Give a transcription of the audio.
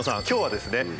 今日はですね